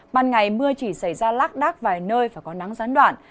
ban ngày mưa chỉ xảy ra lắc đắc vài nơi và có nắng gián đoạn